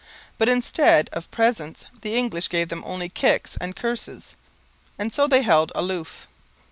But instead of presents the English gave them only kicks and curses; and so they held aloof.